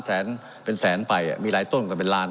แสนเป็นแสนไปมีหลายต้นก็เป็นล้าน